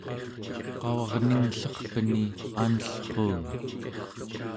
qavarningllerpeni anellruunga